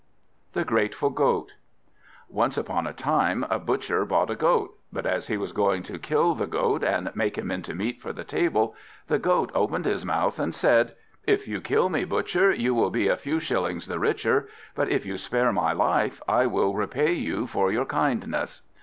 The Grateful Goat ONCE upon a time a Butcher bought a Goat; but as he was going to kill the Goat, and make him into meat for the table, the Goat opened his mouth, and said "If you kill me, Butcher, you will be a few shillings the richer; but if you spare my life, I will repay you for your kindness."